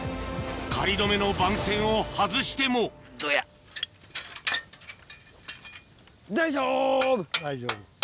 仮止めの番線を外してもどうや⁉大丈夫。